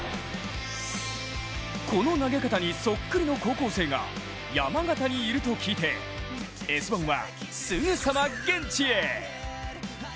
この投げ方にそっくりの高校生が山形にいると聞いて、「Ｓ☆１」は、すぐさま現地へ。